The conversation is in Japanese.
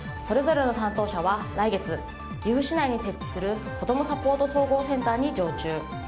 それぞれの担当者は来月、岐阜市内に設置するこどもサポート総合センターに常駐。